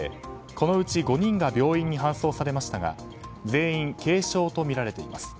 このうち５人が病院に搬送されましたが全員軽傷とみられています。